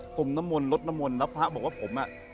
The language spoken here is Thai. กลมนมลลดนมลแล้วพระบอกว่าผมอะ